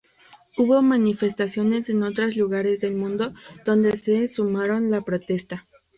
Hubo manifestaciones en otras lugares del mundo donde se sumaron la protesta.